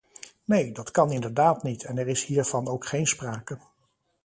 Nee, dat kan inderdaad niet en er is hiervan ook geen sprake.